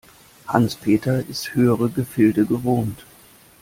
Hans-Peter ist höhere Gefilde gewohnt.